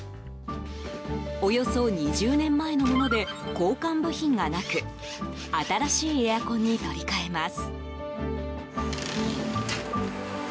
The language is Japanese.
およそ２０年前のもので交換部品がなく新しいエアコンに取り替えます。